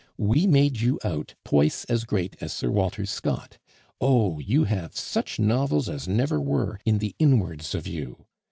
We made you out twice as great as Sir Walter Scott! Oh! you have such novels as never were in the inwards of you.